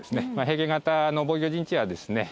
平家方の防御陣地はですね